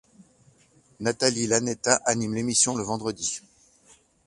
Nathalie Iannetta anime l'émission le vendredi.